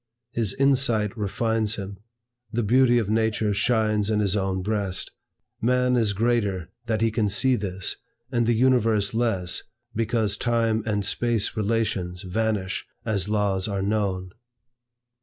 His insight refines him. The beauty of nature shines in his own breast. Man is greater that he can see this, and the universe less, because Time and Space relations vanish as laws are known.